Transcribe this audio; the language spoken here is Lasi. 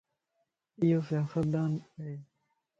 ايو سياستدان ائي